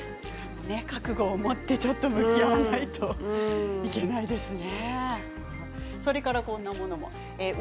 覚悟を持って向き合わないとということですね。